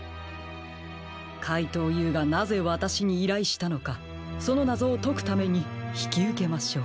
かいとうＵがなぜわたしにいらいしたのかそのなぞをとくためにひきうけましょう。